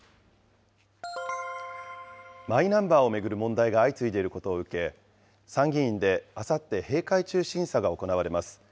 マイナンバーを巡る問題が相次いでいることを受け、参議院であさって閉会中審査が行われます。